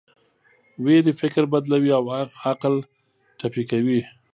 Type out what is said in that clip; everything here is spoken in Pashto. ویرې فکر بدلوي او عقل ټپي کوي.